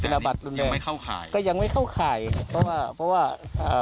บัตรลุงยังไม่เข้าข่ายก็ยังไม่เข้าข่ายเพราะว่าเพราะว่าอ่า